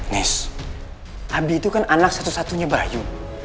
nes abi itu kan anak satu satunya bayu